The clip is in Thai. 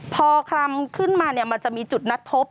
พอคลำขึ้นมาเนี่ยมันจะมีจุดนัดพบ